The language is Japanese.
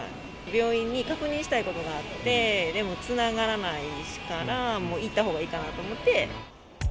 病院に確認したいことがあって、でもつながらないから、もう行ったほうがいいかなと思って。